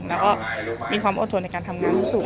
แล้วก็มีความอดทนในการทำงานที่สูง